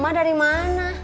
mak dari mana